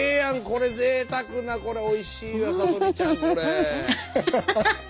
これぜいたくなこれおいしいわさとみちゃんこれ。